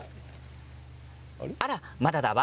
あら、まだだわ。